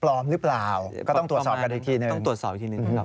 ปลอมหรือเปล่าก็ต้องตรวจสอบกันอีกทีนึง